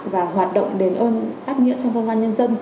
và hoạt động đền ơn đáp nghĩa trong công an nhân dân